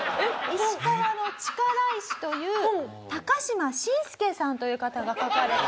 『石川の力石』という高島愼助さんという方が書かれた。